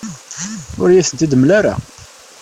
Ur iyi-tent-id-temla ara.